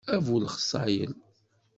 A bu lexṣayel.